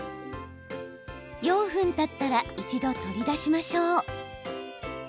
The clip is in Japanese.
４分たったら一度、取り出しましょう。